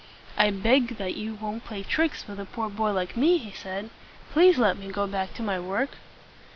"I beg that you won't play tricks with a poor boy like me," he said. "Please let me go back to my work."